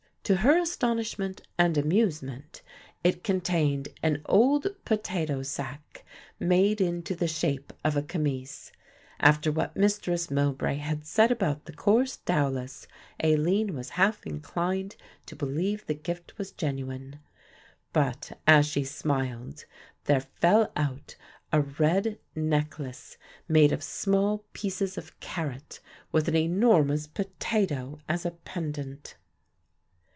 To her astonishment and amusement it contained an old potato sack made into the shape of a camise. After what Mistress Mowbray had said about the coarse dowlas, Aline was half inclined to believe the gift was genuine. But, as she smiled, there fell out a red necklace made of small pieces of carrot with an enormous potato as a pendant.